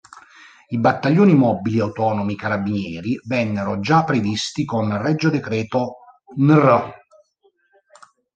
I "Battaglioni mobili autonomi Carabinieri" vennero già previsti con Regio Decreto nr.